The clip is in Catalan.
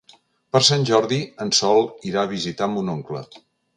Per Sant Jordi en Sol irà a visitar mon oncle.